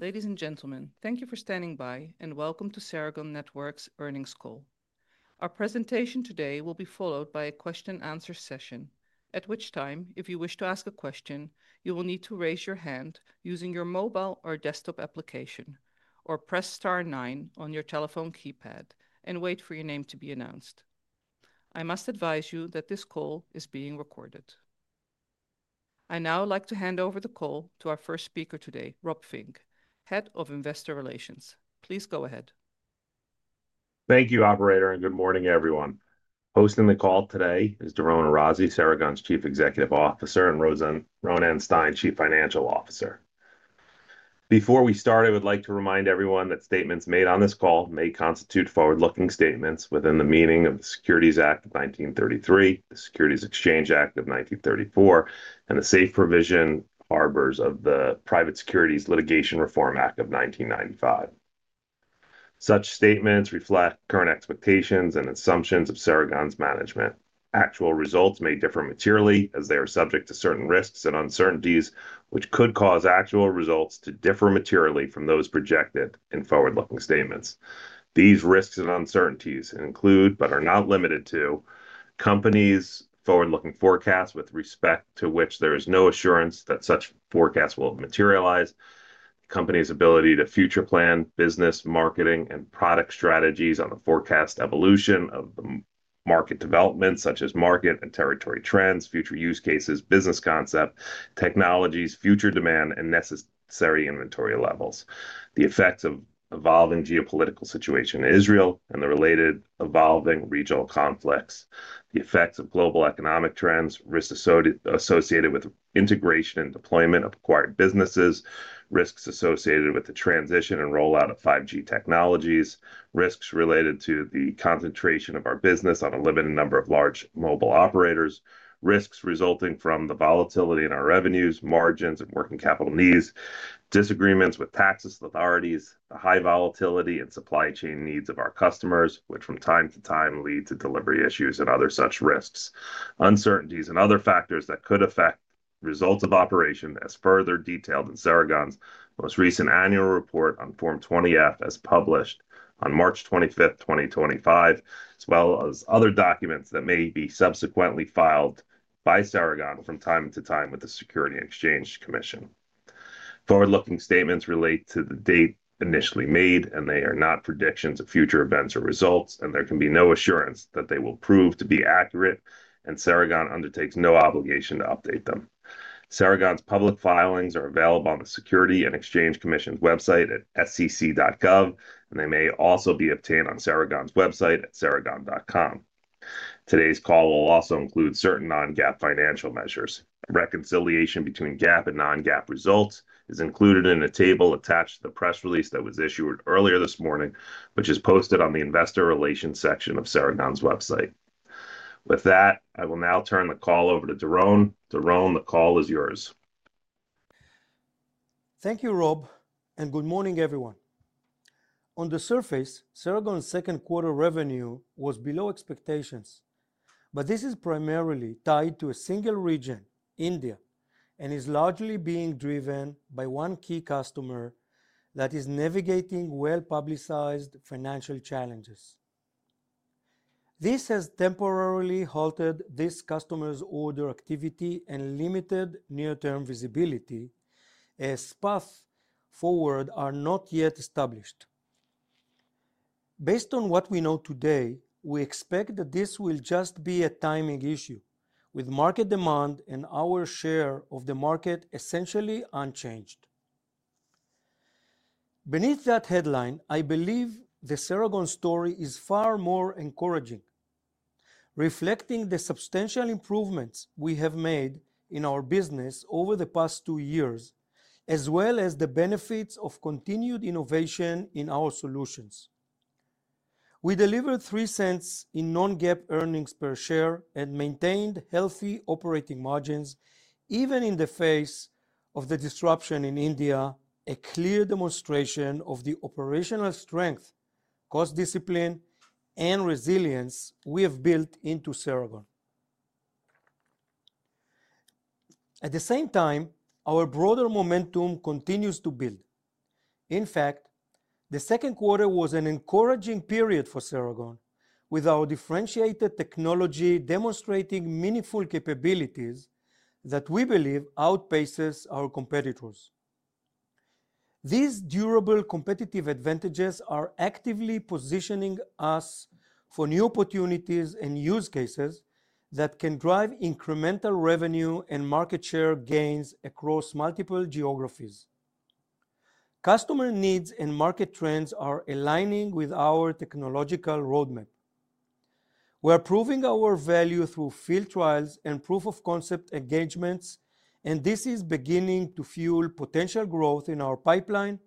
Ladies and gentlemen, thank you for standing by and welcome to Ceragon Networks' Earnings Call. Our presentation today will be followed by a question-and-answer session, at which time, if you wish to ask a question, you will need to raise your hand using your mobile or desktop application, or press * nine on your telephone keypad and wait for your name to be announced. I must advise you that this call is being recorded. I now like to hand over the call to our first speaker today, Rob Fink, Head of Investor Relations. Please go ahead. Thank you, operator, and good morning, everyone. Hosting the call today is Doron Arazi, Ceragon's Chief Executive Officer, and Ronen Stein, Chief Financial Officer. Before we start, I would like to remind everyone that statements made on this call may constitute forward-looking statements within the meaning of the Securities Act of 1933, the Securities Exchange Act of 1934, and the Safe Harbor Provisions of the Private Securities Litigation Reform Act of 1995. Such statements reflect current expectations and assumptions of Ceragon's management. Actual results may differ materially as they are subject to certain risks and uncertainties which could cause actual results to differ materially from those projected in forward-looking statements. These risks and uncertainties include, but are not limited to, companies' forward-looking forecasts with respect to which there is no assurance that such forecasts will materialize, companies' ability to future plan business, marketing, and product strategies on the forecast evolution of the market development, such as market and territory trends, future use cases, business concept, technologies, future demand, and necessary inventory levels, the effects of the evolving geopolitical situation in Israel and the related evolving regional conflicts, the effects of global economic trends, risks associated with integration and deployment of acquired businesses, risks associated with the transition and rollout of 5G technologies, risks related to the concentration of our business on a limited number of large mobile operators, risks resulting from the volatility in our revenues, margins, and working capital needs, disagreements with tax authorities, the high volatility and supply chain needs of our customers, which from time to time lead to delivery issues and other such risks, uncertainties and other factors that could affect the results of operation, as further detailed in Ceragon's most recent annual report on Form 20-F as published on March 25th, 2025, as well as other documents that may be subsequently filed by Ceragon from time to time with the Securities and Exchange Commission. Forward-looking statements relate to the date initially made, and they are not predictions of future events or results, and there can be no assurance that they will prove to be accurate, and Ceragon undertakes no obligation to update them. Ceragon's public filings are available on the Securities and Exchange Commission's website at sec.gov, and they may also be obtained on Ceragon's website at ceragon.com. Today's call will also include certain non-GAAP financial measures. Reconciliation between GAAP and non-GAAP results is included in a table attached to the press release that was issued earlier this morning, which is posted on the investor relations section of Ceragon's website. With that, I will now turn the call over to Doron. Doron, the call is yours. Thank you, Rob, and good morning, everyone. On the surface, Ceragon's second quarter revenue was below expectations, but this is primarily tied to a single region, India, and is largely being driven by one key customer that is navigating well-publicized financial challenges. This has temporarily halted this customer's order activity and limited near-term visibility, as paths forward are not yet established. Based on what we know today, we expect that this will just be a timing issue, with market demand and our share of the market essentially unchanged. Beneath that headline, I believe the Ceragon story is far more encouraging, reflecting the substantial improvements we have made in our business over the past two years, as well as the benefits of continued innovation in our solutions. We delivered $0.03 in non-GAAP earnings per share and maintained healthy operating margins even in the face of the disruption in India, a clear demonstration of the operational strength, cost discipline, and resilience we have built into Ceragon. At the same time, our broader momentum continues to build. In fact, the second quarter was an encouraging period for Ceragon, with our differentiated technology demonstrating meaningful capabilities that we believe outpaces our competitors. These durable competitive advantages are actively positioning us for new opportunities and use cases that can drive incremental revenue and market share gains across multiple geographies. Customer needs and market trends are aligning with our technological roadmap. We are proving our value through field trials and proof-of-concept engagements, and this is beginning to fuel potential growth in our pipeline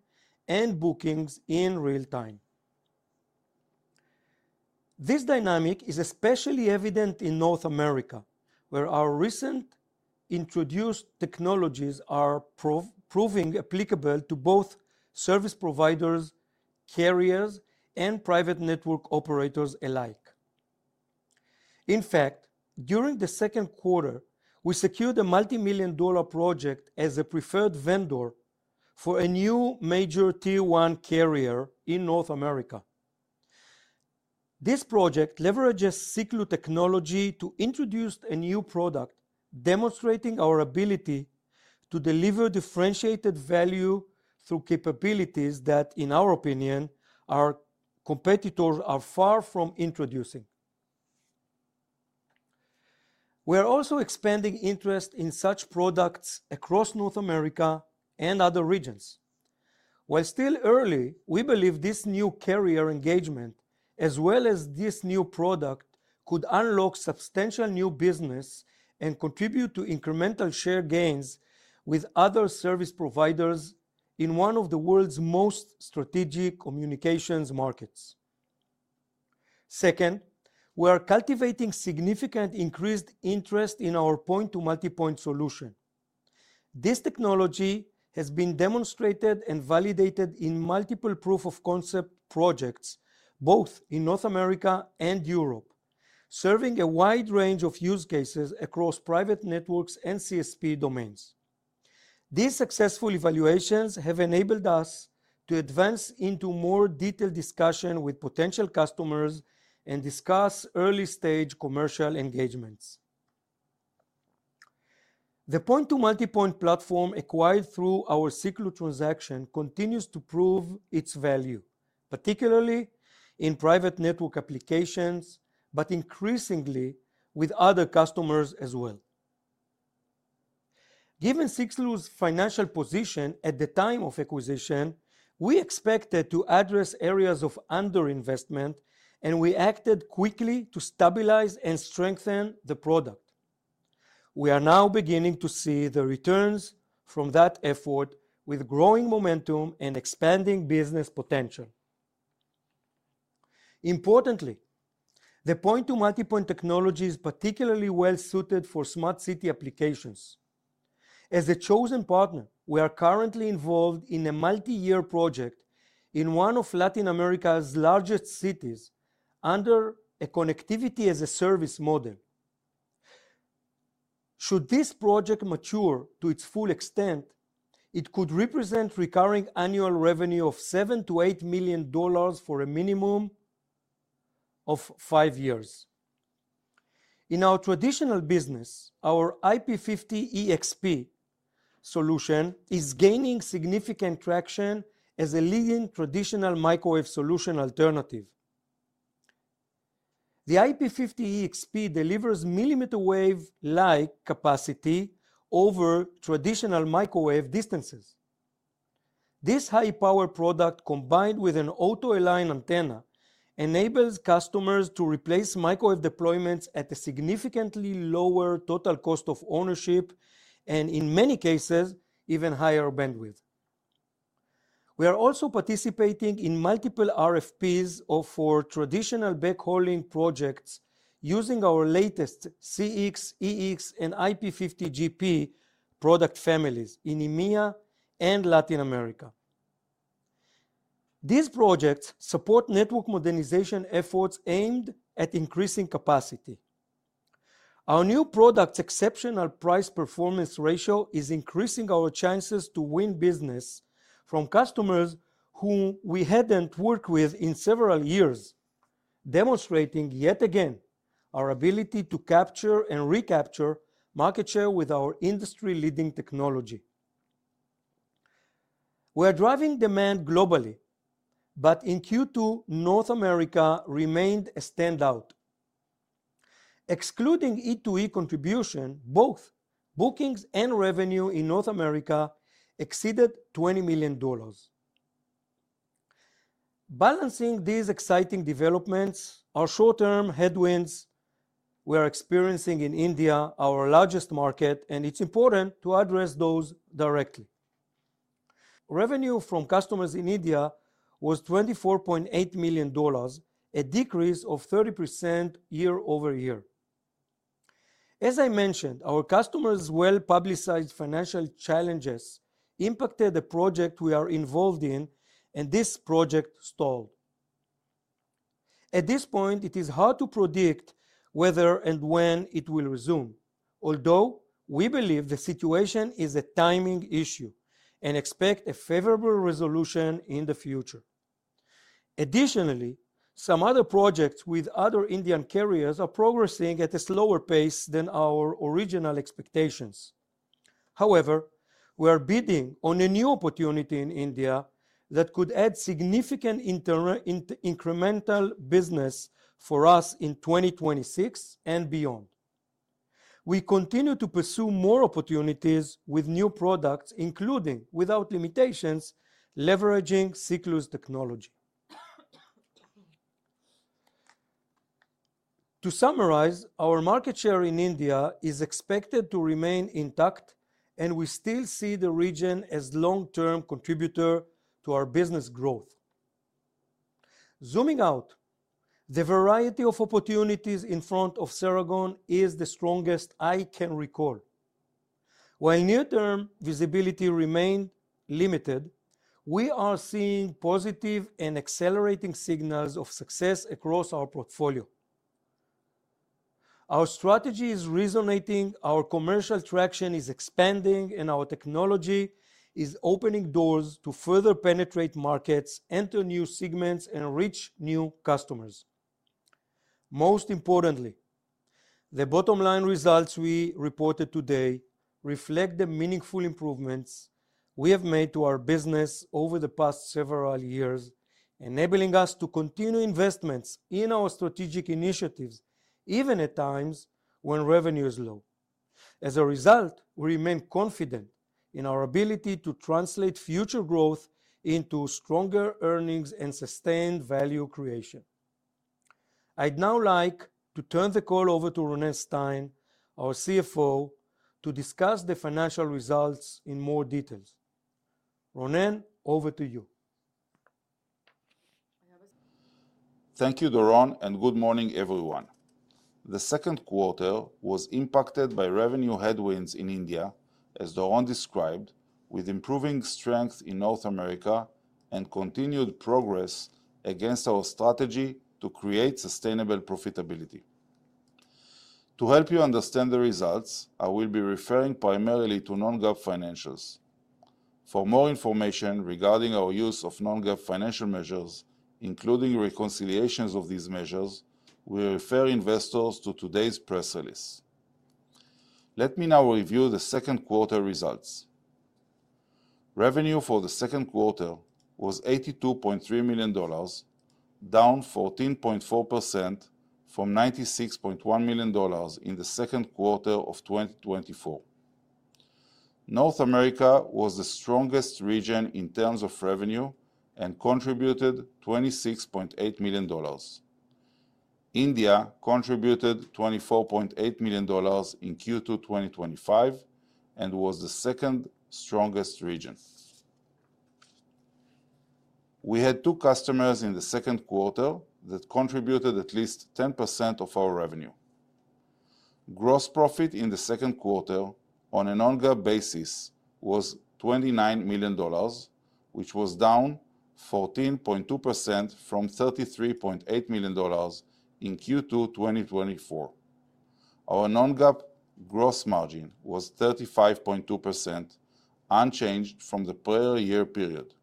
and bookings in real time. This dynamic is especially evident in North America, where our recently introduced technologies are proving applicable to both service providers, carriers, and private network operators alike. In fact, during the second quarter, we secured a multimillion-dollar project as a preferred vendor for a new major tier-1 carrier in North America. This project leverages Siklu technology to introduce a new product, demonstrating our ability to deliver differentiated value through capabilities that, in our opinion, our competitors are far from introducing. We are also expanding interest in such products across North America and other regions. While still early, we believe this new carrier engagement, as well as this new product, could unlock substantial new business and contribute to incremental share gains with other service providers in one of the world's most strategic communications markets. Second, we are cultivating significant increased interest in our Point to Multipoint solution. This technology has been demonstrated and validated in multiple proof-of-concept projects, both in North America and Europe, serving a wide range of use cases across private networks and CSP domains. These successful evaluations have enabled us to advance into more detailed discussion with potential customers and discuss early-stage commercial engagements. The Point to Multipoint platform acquired through our Siklu transaction continues to prove its value, particularly in private network applications, but increasingly with other customers as well. Given Siklu's financial position at the time of acquisition, we expected to address areas of underinvestment, and we acted quickly to stabilize and strengthen the product. We are now beginning to see the returns from that effort, with growing momentum and expanding business potential. Importantly, the Point to Multipoint technology is particularly well suited for smart city applications. As a chosen partner, we are currently involved in a multi-year project in one of Latin America's largest cities under a connectivity as a service model. Should this project mature to its full extent, it could represent recurring annual revenue of $7 million-$8 million for a minimum of five years. In our traditional business, our IP-50EXP solution is gaining significant traction as a leading traditional microwave solution alternative. The IP-50EXP delivers millimeter-wave-like capacity over traditional microwave distances. This high-power product, combined with an auto-align antenna, enables customers to replace microwave deployments at a significantly lower total cost of ownership and, in many cases, even higher bandwidth. We are also participating in multiple RFPs for traditional backhauling projects using our latest CX, EX, and IP-50GP product families in EMEA and Latin America. These projects support network modernization efforts aimed at increasing capacity. Our new product's exceptional price-performance ratio is increasing our chances to win business from customers whom we hadn't worked with in several years, demonstrating yet again our ability to capture and recapture market share with our industry-leading technology. We are driving demand globally, but in Q2, North America remained a standout. Excluding E2E contribution, both bookings and revenue in North America exceeded $20 million. Balancing these exciting developments are short-term headwinds we are experiencing in India, our largest market, and it's important to address those directly. Revenue from customers in India was $24.8 million, a decrease of 30% year-over-year. As I mentioned, our customers' well-publicized financial challenges impacted the project we are involved in, and this project stalled. At this point, it is hard to predict whether and when it will resume, although we believe the situation is a timing issue and expect a favorable resolution in the future. Additionally, some other projects with other Indian carriers are progressing at a slower pace than our original expectations. However, we are bidding on a new opportunity in India that could add significant incremental business for us in 2026 and beyond. We continue to pursue more opportunities with new products, including, without limitations, leveraging Siklu's technology. To summarize, our market share in India is expected to remain intact, and we still see the region as a long-term contributor to our business growth. Zooming out, the variety of opportunities in front of Ceragon is the strongest I can recall. While near-term visibility remained limited, we are seeing positive and accelerating signals of success across our portfolio. Our strategy is resonating, our commercial traction is expanding, and our technology is opening doors to further penetrate markets, enter new segments, and reach new customers. Most importantly, the bottom-line results we reported today reflect the meaningful improvements we have made to our business over the past several years, enabling us to continue investments in our strategic initiatives, even at times when revenue is low. As a result, we remain confident in our ability to translate future growth into stronger earnings and sustained value creation. I'd now like to turn the call over to Ronen Stein, our CFO, to discuss the financial results in more detail. Ronen, over to you. Thank you, Doron, and good morning, everyone. The second quarter was impacted by revenue headwinds in India, as Doron described, with improving strength in North America and continued progress against our strategy to create sustainable profitability. To help you understand the results, I will be referring primarily to non-GAAP financials. For more information regarding our use of non-GAAP financial measures, including reconciliations of these measures, we refer investors to today's press release. Let me now review the second quarter results. Revenue for the second quarter was $82.3 million, down 14.4% from $96.1 million in the second quarter of 2024. North America was the strongest region in terms of revenue and contributed $26.8 million. India contributed $24.8 million in Q2 2025 and was the second strongest region. We had two customers in the second quarter that contributed at least 10% of our revenue. Gross profit in the second quarter on a non-GAAP basis was $29 million, which was down 14.2% from $33.8 million in Q2 2024. Our non-GAAP gross margin was 35.2%, unchanged from the prior year period.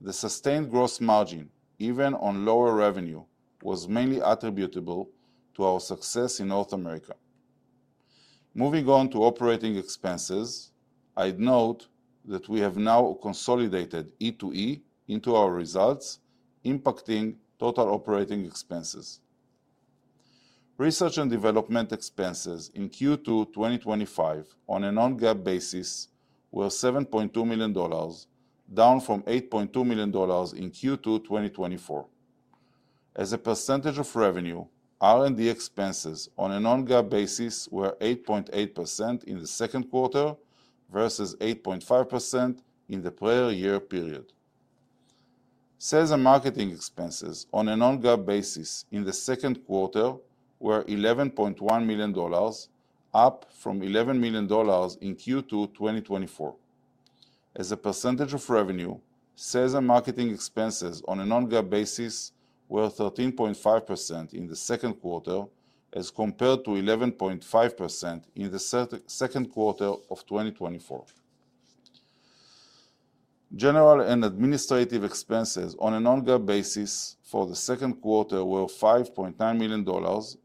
The sustained gross margin, even on lower revenue, was mainly attributable to our success in North America. Moving on to operating expenses, I'd note that we have now consolidated E2E into our results, impacting total operating expenses. Research and development expenses in Q2 2025 on a non-GAAP basis were $7.2 million, down from $8.2 million in Q2 2024. As a percentage of revenue, R&D expenses on a non-GAAP basis were 8.8% in the second quarter versus 8.5% in the prior year period. Sales and marketing expenses on a non-GAAP basis in the second quarter were $11.1 million, up from $11 million in Q2 2024. As a percentage of revenue, sales and marketing expenses on a non-GAAP basis were 13.5% in the second quarter, as compared to 11.5% in the second quarter of 2024. General and administrative expenses on a non-GAAP basis for the second quarter were $5.9 million,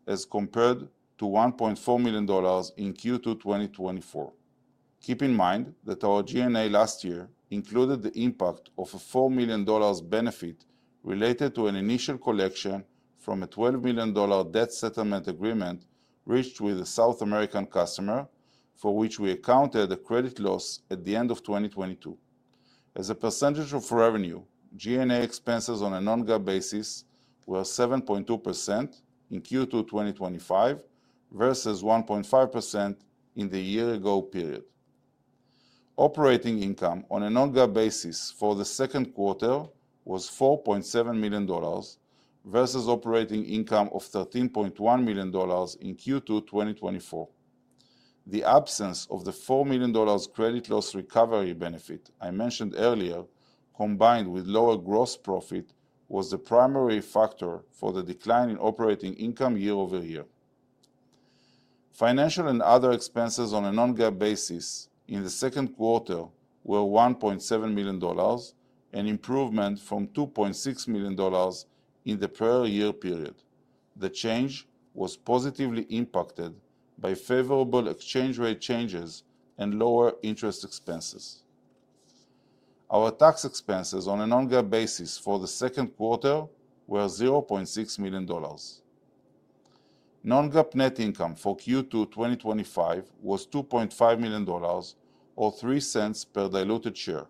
as compared to $1.4 million in Q2 2024. Keep in mind that our G&A last year included the impact of a $4 million benefit related to an initial collection from a $12 million debt settlement agreement reached with a South American customer for which we accounted a credit loss at the end of 2022. As a percentage of revenue, G&A expenses on a non-GAAP basis were 7.2% in Q2 2025 versus 1.5% in the year-ago period. Operating income on a non-GAAP basis for the second quarter was $4.7 million versus operating income of $13.1 million in Q2 2024. The absence of the $4 million credit loss recovery benefit I mentioned earlier, combined with lower gross profit, was the primary factor for the decline in operating income year-over-year. Financial and other expenses on a non-GAAP basis in the second quarter were $1.7 million, an improvement from $2.6 million in the prior year period. The change was positively impacted by favorable exchange rate changes and lower interest expenses. Our tax expenses on a non-GAAP basis for the second quarter were $0.6 million. Non-GAAP net income for Q2 2025 was $2.5 million, or $0.03 per diluted share,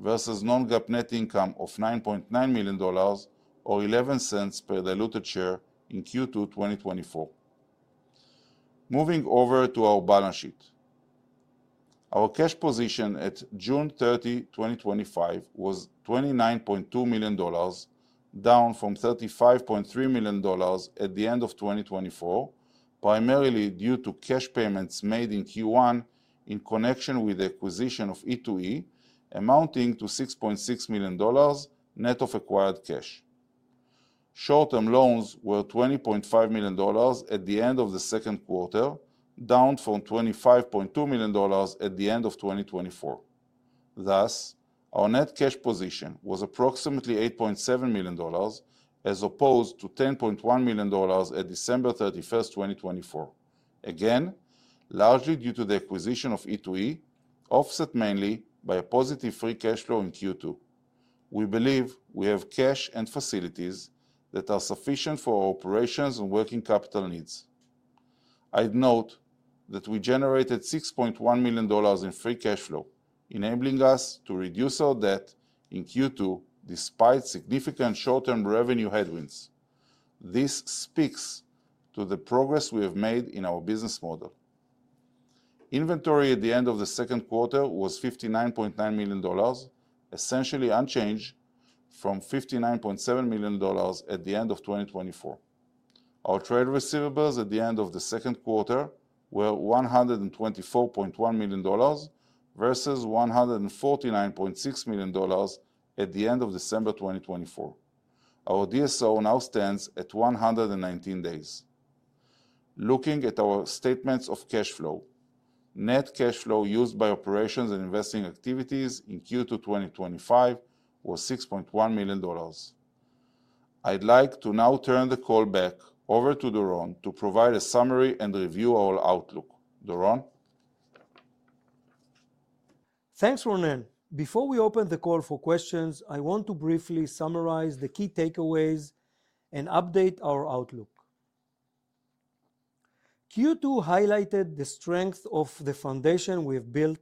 versus non-GAAP net income of $9.9 million, or $0.11 per diluted share in Q2 2024. Moving over to our balance sheet, our cash position at June 30, 2025, was $29.2 million, down from $35.3 million at the end of 2024, primarily due to cash payments made in Q1 in connection with the acquisition of E2E, amounting to $6.6 million net of acquired cash. Short-term loans were $20.5 million at the end of the second quarter, down from $25.2 million at the end of 2024. Thus, our net cash position was approximately $8.7 million, as opposed to $10.1 million at December 31st, 2024, again, largely due to the acquisition of E2E, offset mainly by a positive free cash flow in Q2. We believe we have cash and facilities that are sufficient for our operations and working capital needs. I'd note that we generated $6.1 million in free cash flow, enabling us to reduce our debt in Q2 despite significant short-term revenue headwinds. This speaks to the progress we have made in our business model. Inventory at the end of the second quarter was $59.9 million, essentially unchanged from $59.7 million at the end of 2024. Our trade receivables at the end of the second quarter were $124.1 million versus $149.6 million at the end of December 2024. Our DSO now stands at 119 days. Looking at our statements of cash flow, net cash flow used by operations and investing activities in Q2 2025 was $6.1 million. I'd like to now turn the call back over to Doron to provide a summary and review our outlook. Doron. Thanks, Ronen. Before we open the call for questions, I want to briefly summarize the key takeaways and update our outlook. Q2 highlighted the strength of the foundation we have built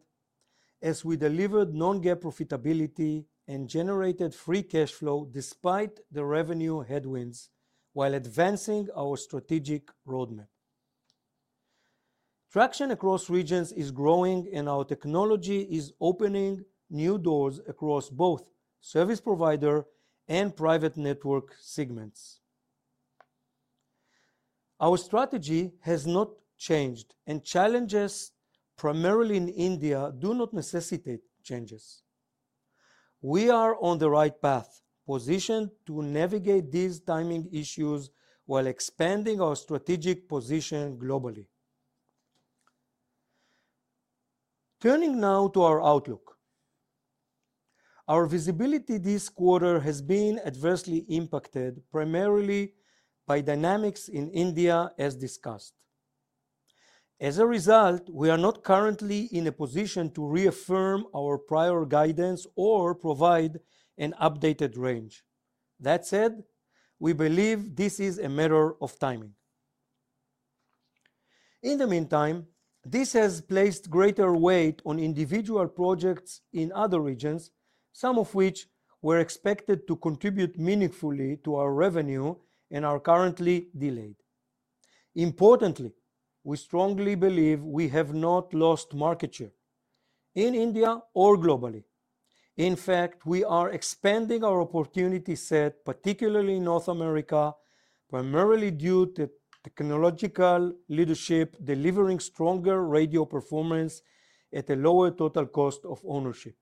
as we delivered non-GAAP profitability and generated free cash flow despite the revenue headwinds while advancing our strategic roadmap. Traction across regions is growing, and our technology is opening new doors across both service provider and private network segments. Our strategy has not changed, and challenges primarily in India do not necessitate changes. We are on the right path, positioned to navigate these timing issues while expanding our strategic position globally. Turning now to our outlook. Our visibility this quarter has been adversely impacted primarily by dynamics in India, as discussed. As a result, we are not currently in a position to reaffirm our prior guidance or provide an updated range. That said, we believe this is a matter of timing. In the meantime, this has placed greater weight on individual projects in other regions, some of which were expected to contribute meaningfully to our revenue and are currently delayed. Importantly, we strongly believe we have not lost market share in India or globally. In fact, we are expanding our opportunity set, particularly in North America, primarily due to technological leadership delivering stronger radio performance at a lower total cost of ownership.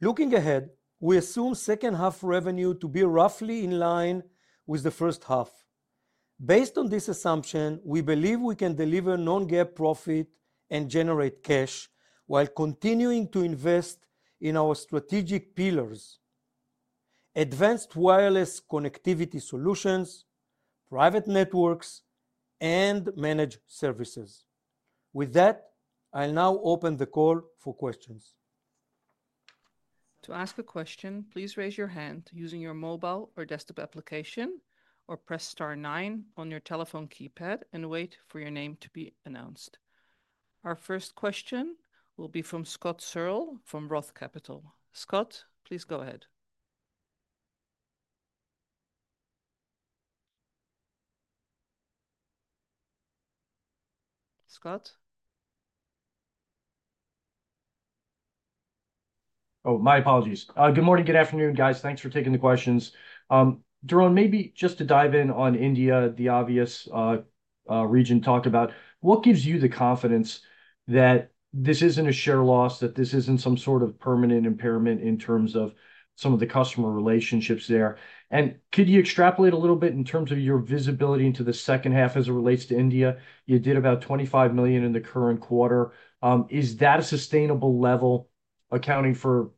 Looking ahead, we assume second-half revenue to be roughly in line with the first half. Based on this assumption, we believe we can deliver non-GAAP profit and generate cash while continuing to invest in our strategic pillars: advanced wireless connectivity solutions, private networks, and managed services. With that, I'll now open the call for questions. To ask a question, please raise your hand using your mobile or desktop application or press * nine on your telephone keypad and wait for your name to be announced. Our first question will be from Scott Searle from ROTH Capital. Scott, please go ahead. Scott. Oh, my apologies. Good morning, good afternoon, guys. Thanks for taking the questions. Doron, maybe just to dive in on India, the obvious region to talk about. What gives you the confidence that this isn't a share loss, that this isn't some sort of permanent impairment in terms of some of the customer relationships there? Could you extrapolate a little bit in terms of your visibility into the second half as it relates to India? You did about $25 million in the current quarter. Is that a sustainable level accounting for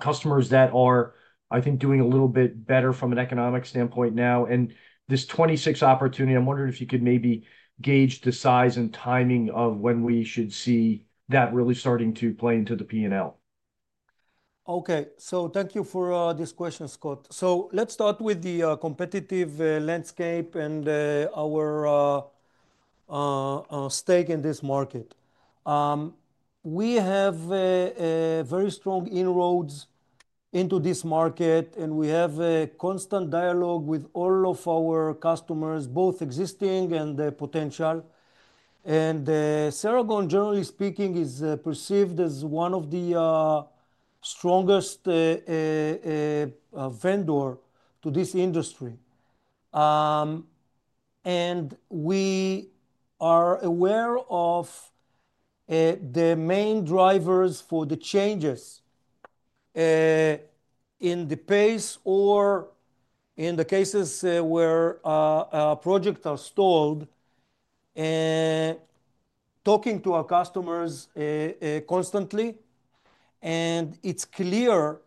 customers that are, I think, doing a little bit better from an economic standpoint now? This 2026 opportunity, I'm wondering if you could maybe gauge the size and timing of when we should see that really starting to play into the P&L. Thank you for this question, Scott. Let's start with the competitive landscape and our stake in this market. We have very strong inroads into this market, and we have a constant dialogue with all of our customers, both existing and potential. Ceragon, generally speaking, is perceived as one of the strongest vendors in this industry. We are aware of the main drivers for the changes in the pace or in the cases where projects are stalled. Talking to our customers constantly, it's clear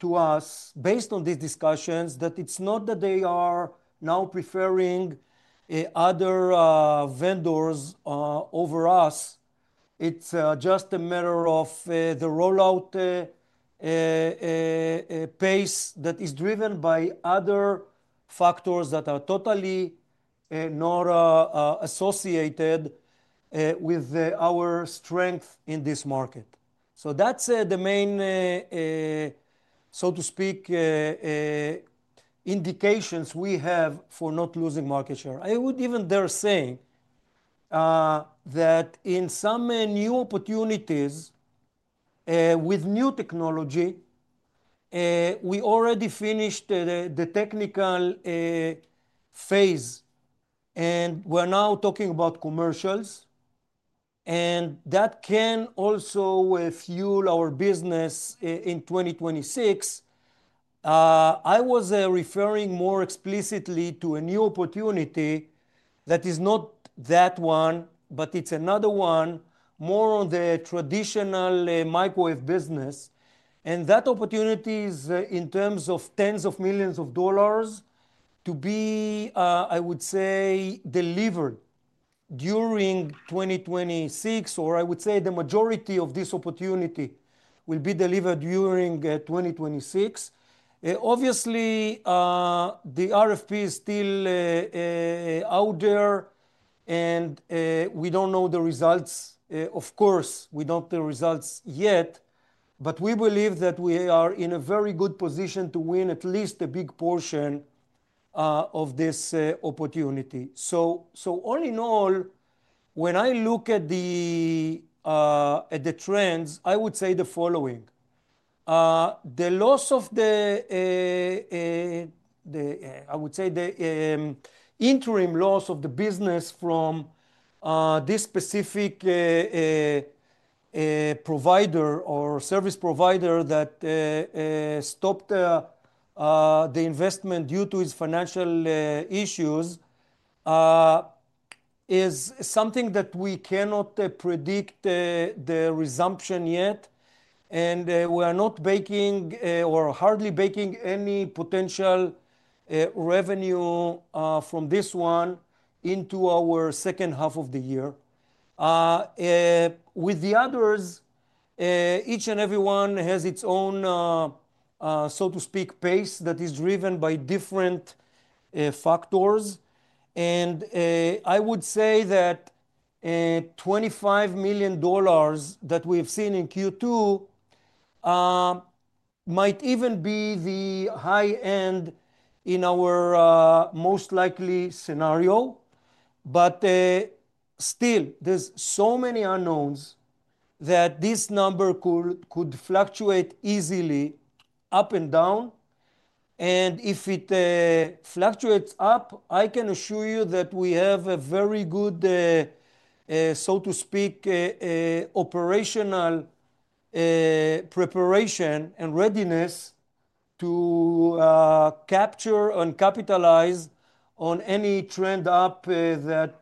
to us, based on these discussions, that it's not that they are now preferring other vendors over us. It's just a matter of the rollout pace that is driven by other factors that are totally not associated with our strength in this market. That's the main, so to speak, indications we have for not losing market share. I would even dare say that in some new opportunities with new technology, we already finished the technical phase, and we're now talking about commercials. That can also fuel our business in 2026. I was referring more explicitly to a new opportunity that is not that one, but it's another one, more on the traditional microwave business. That opportunity is in terms of tens of millions of dollars to be, I would say, delivered during 2026, or I would say the majority of this opportunity will be delivered during 2026. Obviously, the RFP is still out there, and we don't know the results. Of course, we don't know the results yet, but we believe that we are in a very good position to win at least a big portion of this opportunity. All in all, when I look at the trends, I would say the following: the loss of the, I would say, the interim loss of the business from this specific provider or service provider that stopped the investment due to its financial issues is something that we cannot predict the resumption yet. We are not baking or hardly baking any potential revenue from this one into our second half of the year. With the others, each and every one has its own, so to speak, pace that is driven by different factors. I would say that $25 million that we have seen in Q2 might even be the high end in our most likely scenario. Still, there's so many unknowns that this number could fluctuate easily up and down. If it fluctuates up, I can assure you that we have a very good, so to speak, operational preparation and readiness to capture and capitalize on any trend up that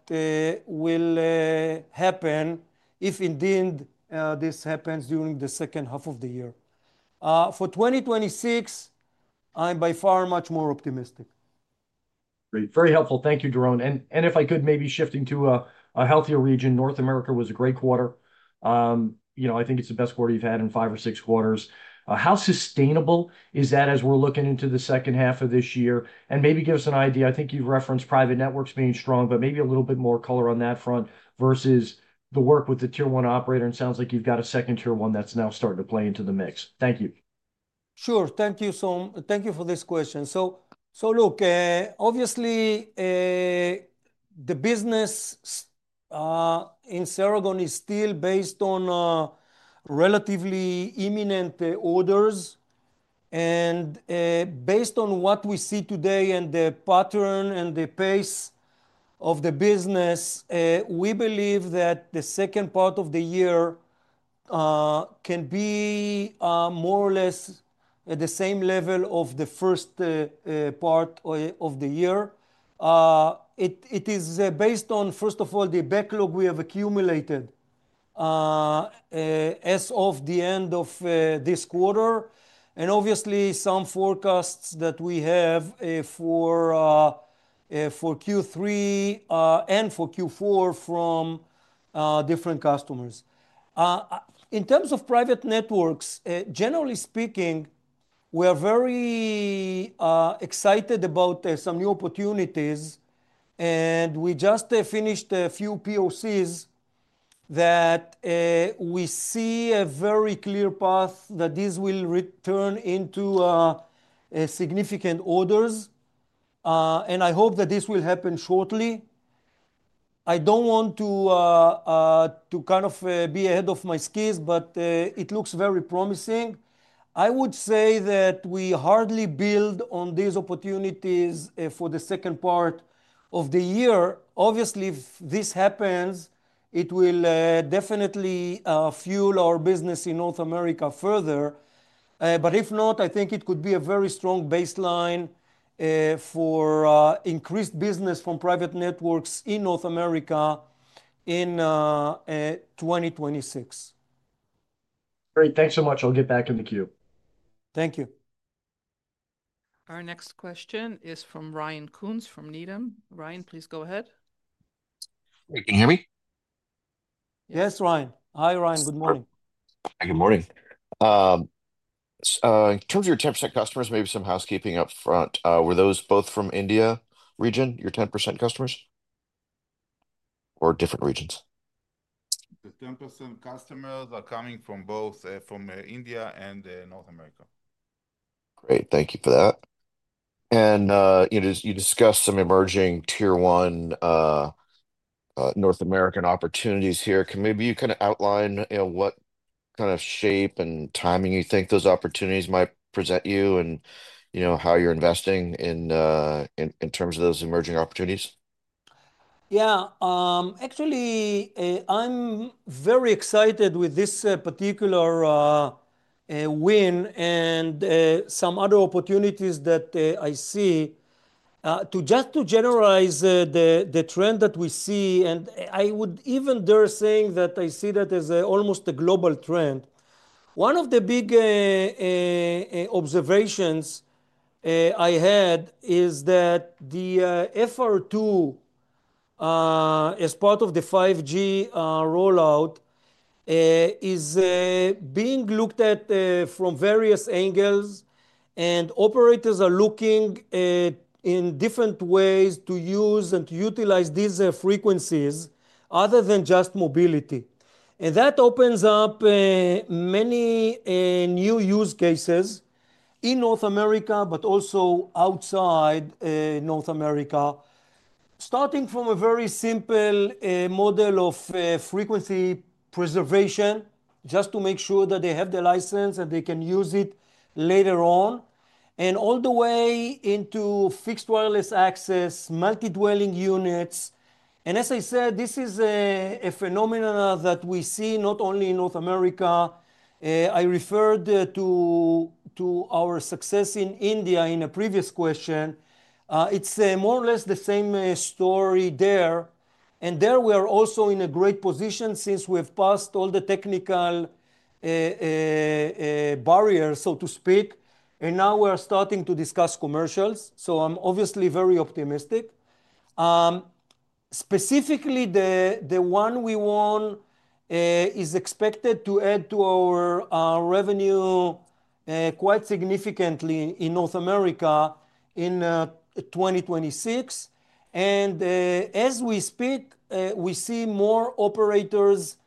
will happen if indeed this happens during the second half of the year. For 2026, I'm by far much more optimistic. Great. Very helpful. Thank you, Doron. If I could, maybe shifting to a healthier region, North America was a great quarter. I think it's the best quarter you've had in five or six quarters. How sustainable is that as we're looking into the second half of this year? Maybe give us an idea. I think you've referenced private networks being strong, but maybe a little bit more color on that front versus the work with the tier-1 operator. It sounds like you've got a second tier-1 that's now starting to play into the mix. Thank you. Thank you. So, thank you for this question. Obviously, the business in Ceragon is still based on relatively imminent orders. Based on what we see today and the pattern and the pace of the business, we believe that the second part of the year can be more or less at the same level as the first part of the year. It is based on, first of all, the backlog we have accumulated as of the end of this quarter, and obviously some forecasts that we have for Q3 and for Q4 from different customers. In terms of private networks, generally speaking, we are very excited about some new opportunities. We just finished a few POCs that we see a very clear path that these will return into significant orders. I hope that this will happen shortly. I do not want to be ahead of my skis, but it looks very promising. I would say that we hardly build on these opportunities for the second part of the year. Obviously, if this happens, it will definitely fuel our business in North America further. If not, I think it could be a very strong baseline for increased business from private networks in North America in 2026. Great. Thanks so much. I'll get back in the queue. Thank you. Our next question is from Ryan Koontz from Needham. Ryan, please go ahead. Hey, can you hear me? Yes, Ryan. Hi, Ryan. Good morning. Hi, good morning. In terms of your 10% customers, maybe some housekeeping up front. Were those both from India region, your 10% customers, or different regions? The 10% customers are coming from both India and North America. Great. Thank you for that. You discussed some emerging tier-1 North American opportunities here. Can you maybe kind of outline what kind of shape and timing you think those opportunities might present you and how you're investing in terms of those emerging opportunities? Yeah. Actually, I'm very excited with this particular win and some other opportunities that I see. To generalize the trend that we see, I would even dare say that I see that as almost a global trend. One of the big observations I had is that the FR2 as part of the 5G rollout is being looked at from various angles, and operators are looking at different ways to use and to utilize these frequencies other than just mobility. That opens up many new use cases in North America, but also outside North America, starting from a very simple model of frequency preservation, just to make sure that they have the license and they can use it later on, and all the way into fixed wireless access, multi-dwelling units. As I said, this is a phenomenon that we see not only in North America. I referred to our success in India in a previous question. It's more or less the same story there. There, we are also in a great position since we have passed all the technical barriers, so to speak. Now we are starting to discuss commercials. I'm obviously very optimistic. Specifically, the one we want is expected to add to our revenue quite significantly in North America in 2026. As we speak, we see more operators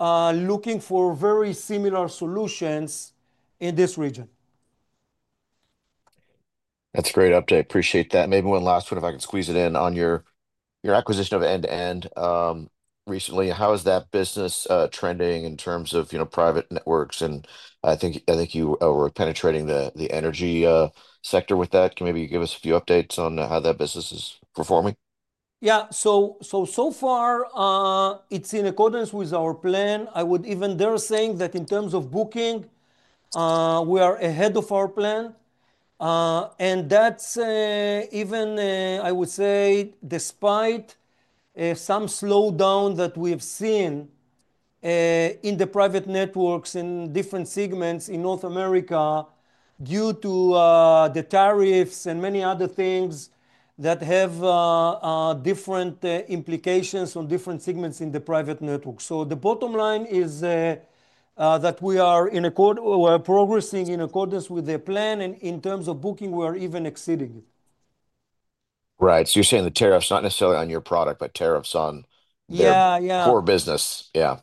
looking for very similar solutions in this region. That's a great update. Appreciate that. Maybe one last one, if I could squeeze it in on your acquisition of E2E recently. How is that business trending in terms of private networks? I think you were penetrating the energy sector with that. Can you give us a few updates on how that business is performing? So far, it's in accordance with our plan. I would even dare say that in terms of booking, we are ahead of our plan. That's even, I would say, despite some slowdown that we have seen in the private networks in different segments in North America due to the tariffs and many other things that have different implications on different segments in the private network. The bottom line is that we are progressing in accordance with the plan, and in terms of booking, we are even exceeding it. Right. You're saying the tariffs are not necessarily on your product, but tariffs on your core business. Yeah.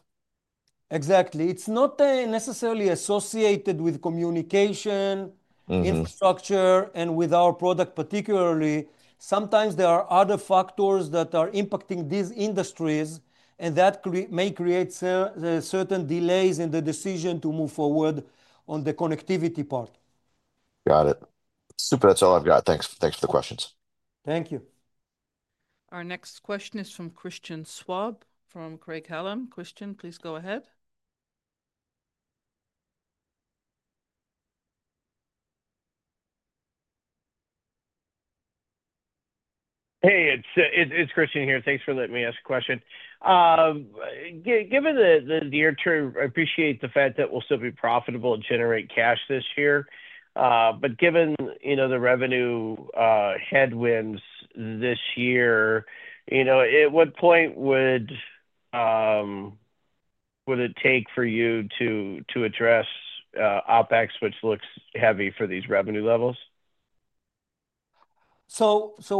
Exactly. It's not necessarily associated with communication infrastructure and with our product particularly. Sometimes there are other factors that are impacting these industries, and that may create certain delays in the decision to move forward on the connectivity part. Got it. Super. That's all I've got. Thanks for the questions. Thank you. Our next question is from Christian Schwab from Craig-Hallum. Christian, please go ahead. Hey, it's Christian here. Thanks for letting me ask a question. Given the near-term, I appreciate the fact that we'll still be profitable and generate cash this year. Given the revenue headwinds this year, at what point would it take for you to address OpEx, which looks heavy for these revenue levels?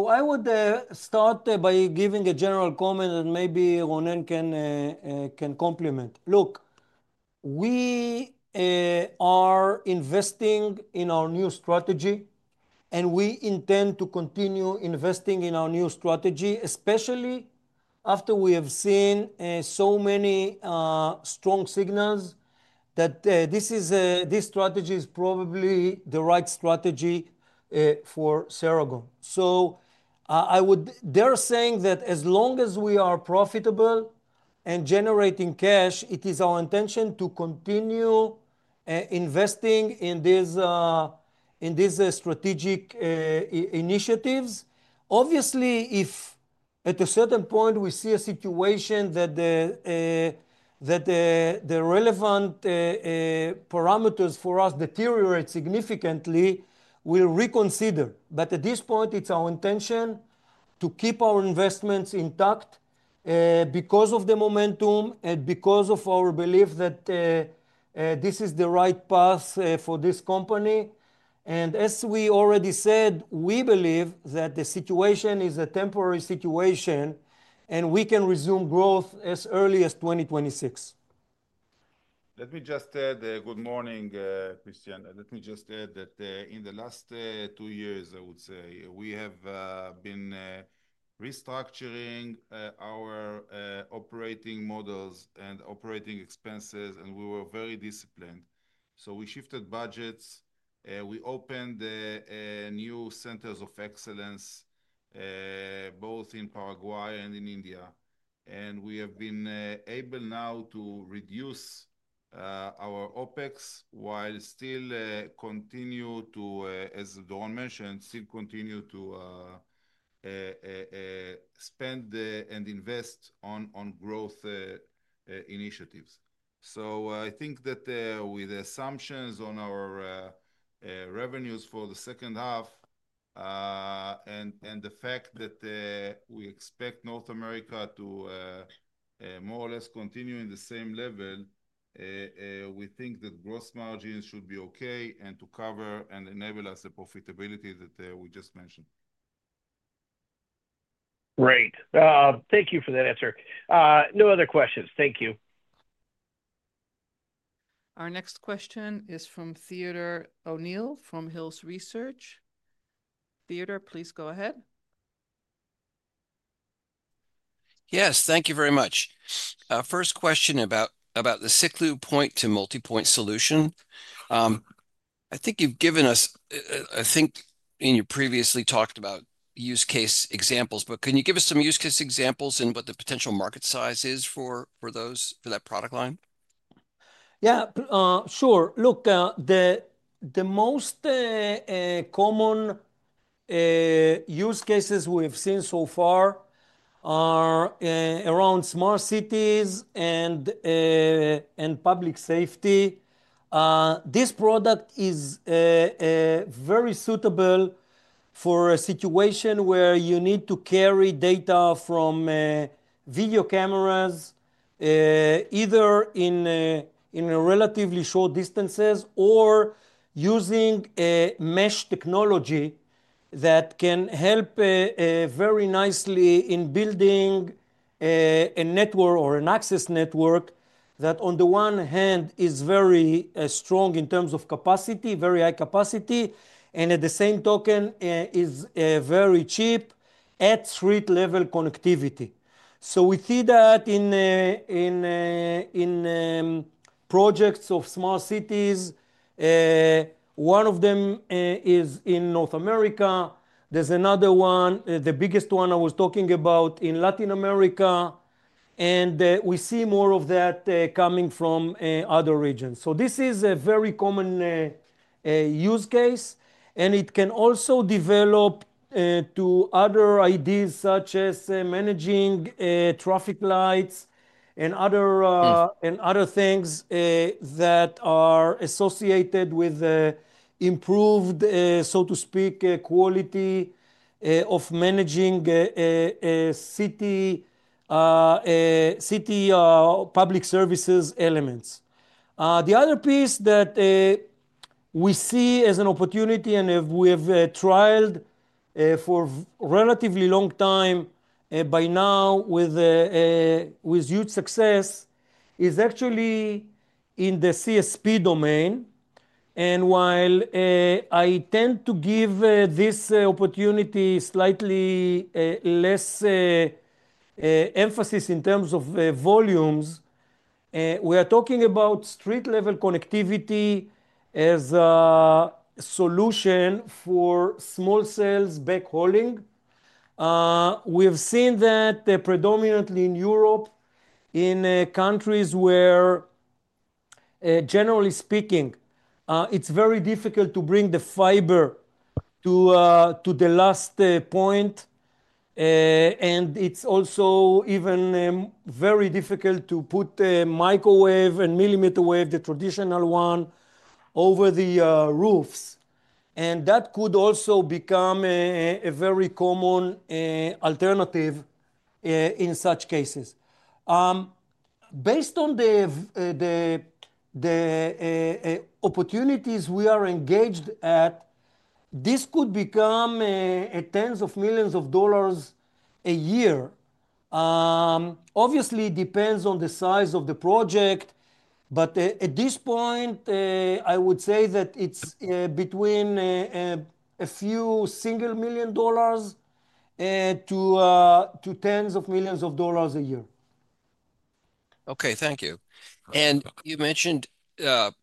I would start by giving a general comment, and maybe Ronen can complement. Look, we are investing in our new strategy, and we intend to continue investing in our new strategy, especially after we have seen so many strong signals that this strategy is probably the right strategy for Ceragon. I would dare say that as long as we are profitable and generating cash, it is our intention to continue investing in these strategic initiatives. Obviously, if at a certain point we see a situation that the relevant parameters for us deteriorate significantly, we'll reconsider. At this point, it's our intention to keep our investments intact because of the momentum and because of our belief that this is the right path for this company. As we already said, we believe that the situation is a temporary situation, and we can resume growth as early as 2026. Good morning, Christian. In the last two years, I would say, we have been restructuring our operating models and operating expenses, and we were very disciplined. We shifted budgets. We opened new centers of excellence, both in Paraguay and in India. We have been able now to reduce our OpEx while still continuing to, as Doron mentioned, still continuing to spend and invest on growth initiatives. I think that with assumptions on our revenues for the second half and the fact that we expect North America to more or less continue in the same level, we think that gross margins should be OK and to cover and enable us the profitability that we just mentioned. Great. Thank you for that answer. No other questions. Thank you. Our next question is from Theodore O'Neill from Hills Research. Theodore, please go ahead. Yes, thank you very much. First question about the Siklu Point to Multipoint solution. I think you've given us, I think you previously talked about use case examples, but can you give us some use case examples and what the potential market size is for that product line? Yeah, sure. Look, the most common use cases we have seen so far are around smart cities and public safety. This product is very suitable for a situation where you need to carry data from video cameras, either in relatively short distances or using mesh technology that can help very nicely in building a network or an access network that, on the one hand, is very strong in terms of capacity, very high capacity, and at the same token, is very cheap at street-level connectivity. We see that in projects of smart cities. One of them is in North America. There's another one, the biggest one I was talking about, in Latin America. We see more of that coming from other regions. This is a very common use case. It can also develop to other ideas such as managing traffic lights and other things that are associated with improved, so to speak, quality of managing city public services elements. The other piece that we see as an opportunity and we have trialed for a relatively long time by now with huge success is actually in the CSP domain. While I tend to give this opportunity slightly less emphasis in terms of volumes, we are talking about street-level connectivity as a solution for small cells backhauling. We have seen that predominantly in Europe, in countries where, generally speaking, it's very difficult to bring the fiber to the last point. It's also even very difficult to put microwave and millimeter-wave, the traditional one, over the roofs. That could also become a very common alternative in such cases. Based on the opportunities we are engaged at, this could become tens of millions of dollars a year. Obviously, it depends on the size of the project. At this point, I would say that it's between a few single million dollars to tens of millions of dollars a year. OK, thank you. You mentioned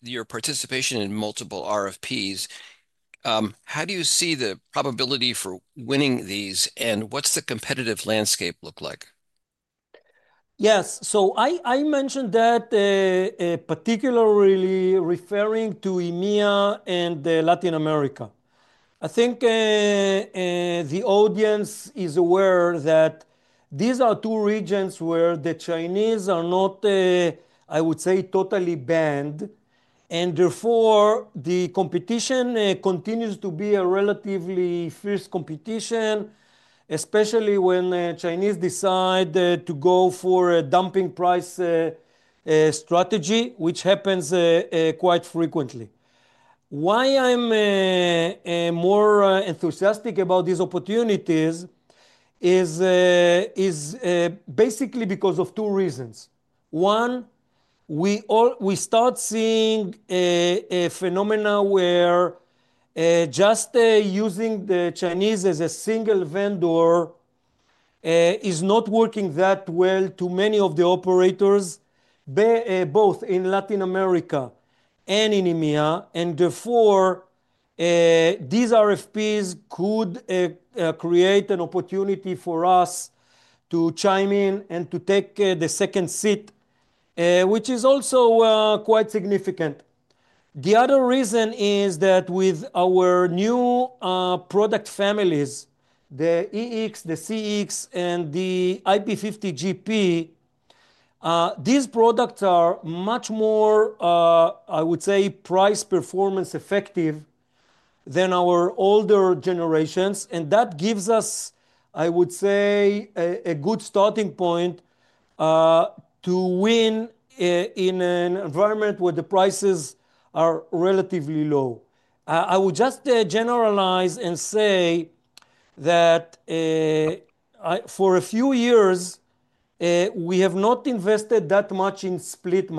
your participation in multiple RFPs. How do you see the probability for winning these, and what's the competitive landscape look like? Yes. I mentioned that particularly referring to EMEA and Latin America. I think the audience is aware that these are two regions where the Chinese are not, I would say, totally banned. Therefore, the competition continues to be a relatively fierce competition, especially when Chinese decide to go for a dumping price strategy, which happens quite frequently. Why I'm more enthusiastic about these opportunities is basically because of two reasons. One, we start seeing a phenomenon where just using the Chinese as a single vendor is not working that well to many of the operators, both in Latin America and in EMEA. Therefore, these RFPs could create an opportunity for us to chime in and to take the second seat, which is also quite significant. The other reason is that with our new product families, the EX, the CX, and the IP-50GP, these products are much more, I would say, price-performance effective than our older generations. That gives us, I would say, a good starting point to win in an environment where the prices are relatively low. I would just generalize and say that for a few years, we have not invested that much in split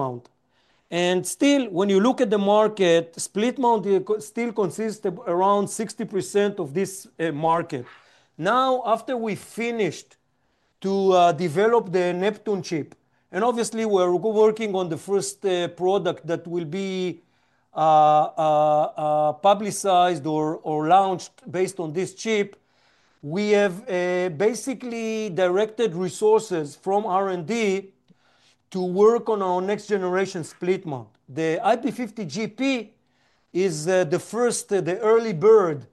mount. Still, when you look at the market, split mount still consists of around 60% of this market. Now, after we finished to develop the Neptune chip, and obviously, we're working on the first product that will be publicized or launched based on this chip, we have basically directed resources from R&D to work on our next-generation split mount. The IP-50GP is the first, the early bird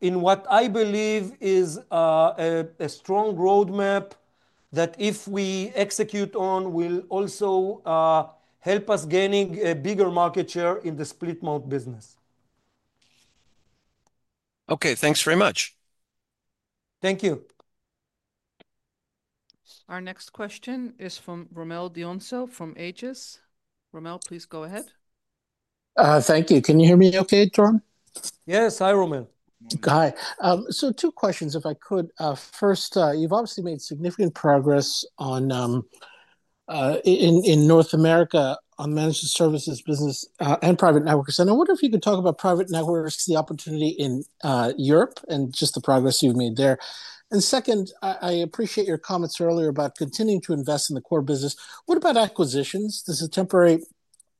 in what I believe is a strong roadmap that if we execute on, will also help us gaining a bigger market share in the split mount business. OK, thanks very much. Thank you. Our next question is from Rommel Dionisio from Aegis. Rommel, please go ahead. Thank you. Can you hear me OK, Doron? Yes. Hi, Rommel. Hi. Two questions, if I could. First, you've obviously made significant progress in North America on managed services business and private networks. I wonder if you could talk about private networks, the opportunity in Europe, and just the progress you've made there. Second, I appreciate your comments earlier about continuing to invest in the core business. What about acquisitions? Does a temporary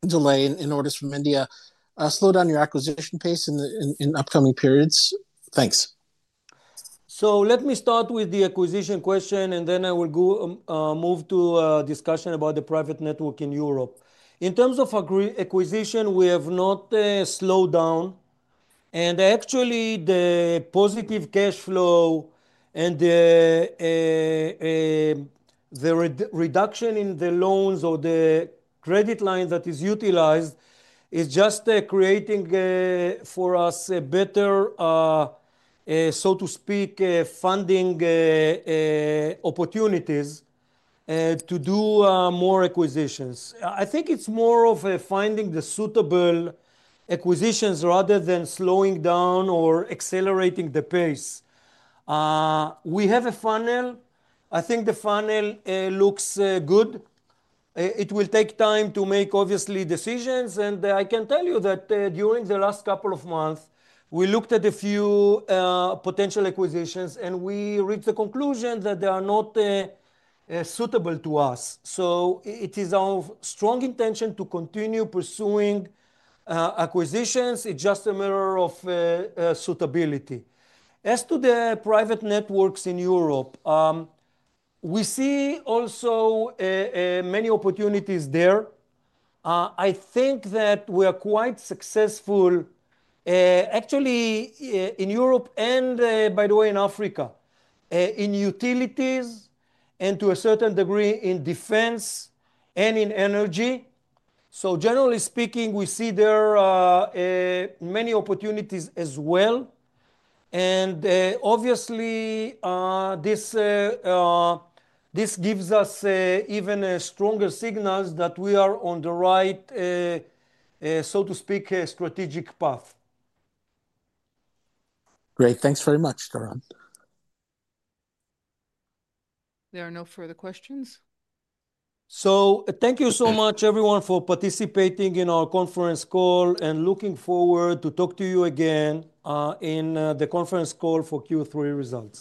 delay in orders from India slow down your acquisition pace in upcoming periods? Thanks. Let me start with the acquisition question, and then I will move to a discussion about the private network in Europe. In terms of acquisition, we have not slowed down. Actually, the positive cash flow and the reduction in the loans or the credit line that is utilized is just creating for us better, so to speak, funding opportunities to do more acquisitions. I think it's more of finding the suitable acquisitions rather than slowing down or accelerating the pace. We have a funnel. I think the funnel looks good. It will take time to make, obviously, decisions. I can tell you that during the last couple of months, we looked at a few potential acquisitions, and we reached the conclusion that they are not suitable to us. It is our strong intention to continue pursuing acquisitions. It's just a matter of suitability. As to the private networks in Europe, we see also many opportunities there. I think that we are quite successful, actually, in Europe and, by the way, in Africa, in utilities, and to a certain degree in defense and in energy. Generally speaking, we see there are many opportunities as well. Obviously, this gives us even stronger signals that we are on the right, so to speak, strategic path. Great. Thanks very much, Doron. There are no further questions. Thank you so much, everyone, for participating in our conference call and looking forward to talking to you again in the conference call for Q3 results.